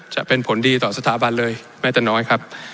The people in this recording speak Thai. จะเป็นผลดีต่อสถาบันเลยแม้แต่น้อยครับ